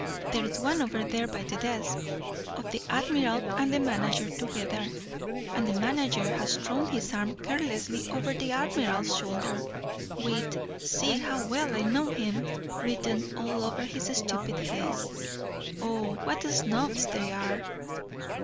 There's one over there by the desk, of the admiral and the manager together, and the manager has thrown his arm carelessly over the admiral's shoulder with 'See how well I know him' written all over his stupid face. Oh, what snobs they are!"